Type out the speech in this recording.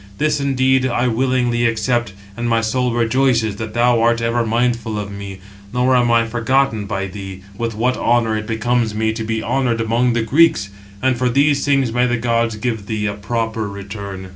This, indeed, I willingly accept, and my soul rejoices that thou art ever mindful of me; nor am I forgotten by thee, with what honour it becomes me to be honoured among the Greeks. And for these things may the gods give thee a proper return."